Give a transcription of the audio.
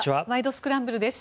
スクランブル」です。